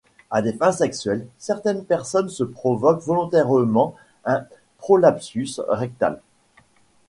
À des fins sexuelles, certaines personnes se provoquent volontairement un prolapsus rectal.